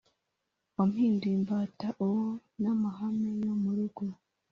Wampinduye imbata Uwo n Amahane yo mu rugo,